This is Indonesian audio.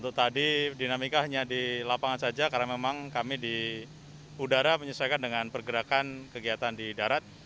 untuk tadi dinamika hanya di lapangan saja karena memang kami di udara menyesuaikan dengan pergerakan kegiatan di darat